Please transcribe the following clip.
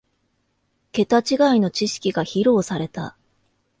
ケタ違いの知識が披露された